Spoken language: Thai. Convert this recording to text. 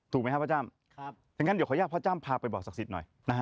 ถูกไหมครับพ่อจ้ำอย่างนั้นเดี๋ยวขออนุญาตพ่อจ้ำพาไปบอกศักดิ์สิทธิ์หน่อยนะฮะ